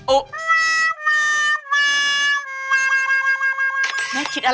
อุ๊ะ